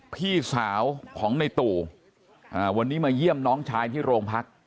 พี่สาวของในตู่วันนี้มาเยี่ยมน้องชายที่โรงพัก